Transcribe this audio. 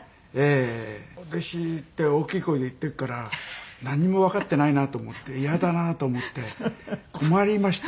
弟子って大きい声で言ってっから何もわかってないなと思って嫌だなと思って困りました。